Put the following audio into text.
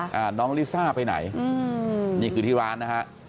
อ่าน้องลิซ่าไปไหนอืมนี่คือที่ร้านนะฮะ